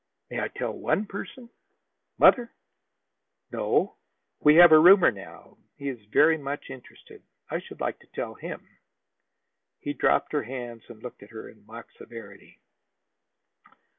"May I tell one person?" "Mother?" "No. We we have a roomer now. He is very much interested. I should like to tell him." He dropped her hands and looked at her in mock severity.